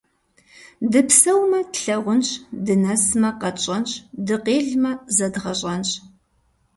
Дыпсэумэ - тлъагъунщ, дынэсмэ – къэтщӏэнщ, дыкъелмэ – зэдгъэщӏэнщ.